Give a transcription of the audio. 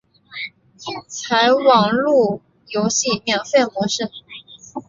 采网路游戏免费模式。